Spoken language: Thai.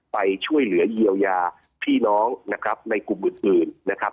ไปช่วยเหลือเยียวยาพี่น้องนะครับในกลุ่มอื่นนะครับ